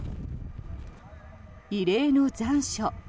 異例の残暑。